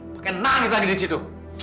pakai nangis lagi disitu